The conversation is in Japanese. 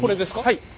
はい。